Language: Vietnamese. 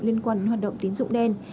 liên quan đến hoạt động tín dụng đen